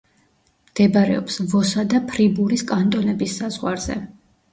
მდებარეობს ვოსა და ფრიბურის კანტონების საზღვარზე.